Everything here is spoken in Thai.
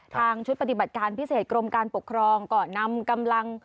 ทางชุดปฏิบัติการพิเศษกรมการปกครองก็นำกำลัง